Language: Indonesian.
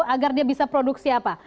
agar dia bisa produksi apa